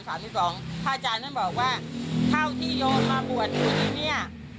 พระอาจารย์นั้นบอกว่าเท่าที่โยมมากว่าที่นี่